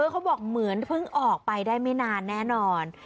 เขาบอกเหมือนเพิ่งออกไปได้ไม่นานแน่นอน